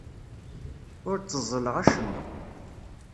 Ur tteẓẓleɣ acemma.